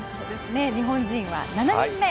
日本人は７人目。